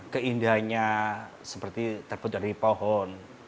keindahannya seperti terbuat dari pohon